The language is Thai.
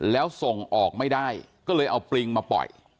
แล้วส่งออกไม่ได้ก็เลยเอาปริงมาปล่อย